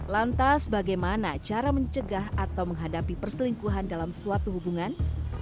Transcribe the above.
lantas bagaimana cara mencegah atau menghadapi perselingkuhan dalam suatu hubungan